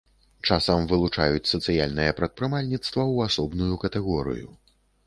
Часам вылучаюць сацыяльнае прадпрымальніцтва ў асобную катэгорыю.